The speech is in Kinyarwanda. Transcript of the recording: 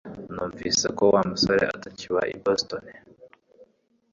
Numvise ko Wa musore atakiba i Boston